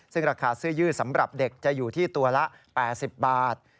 ซึ่งราคาเสื้อยืดสำหรับเด็กจะอยู่ที่ตัวละ๘๐บาท